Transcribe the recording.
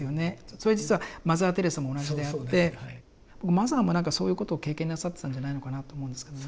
それは実はマザー・テレサも同じであってマザーも何かそういうことを経験なさってたんじゃないのかなと思うんですけどね。